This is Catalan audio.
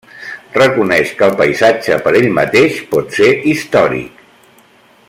Reconeix que el paisatge per ell mateix pot ser històric.